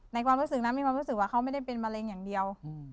ความรู้สึกนั้นมีความรู้สึกว่าเขาไม่ได้เป็นมะเร็งอย่างเดียว